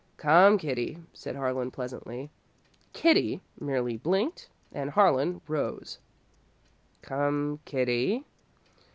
"Come, kitty," said Harlan, pleasantly. "Kitty" merely blinked, and Harlan rose. "Come, kitty."